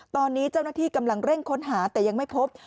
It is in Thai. ตอนนี้เจ้าหน้าที่กำลังเร่งค้นหาแต่ยังไม่พบ